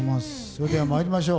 それでは参りましょう。